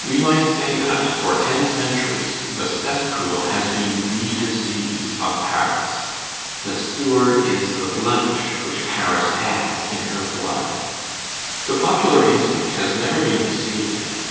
We might say that, for ten centuries, the cesspool has been the disease of Paris. The sewer is the blemish which Paris has in her blood. The popular instinct has never been deceived in it.